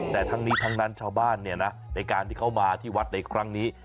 แต่ทั้งนี้ทั้งนั้นชาวบ้านเนี่ยนะในการที่เขามาที่วัดในครั้งนี้